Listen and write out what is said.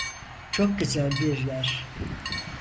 Çok güzel bir yer.